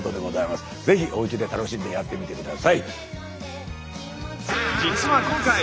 ぜひおうちで楽しんでやってみて下さい。